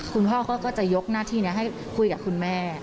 คุณพ่อก็จะยกหน้าที่นี้ให้คุยกับคุณแม่